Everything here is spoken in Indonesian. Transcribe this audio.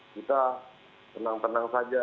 kita tenang tenang saja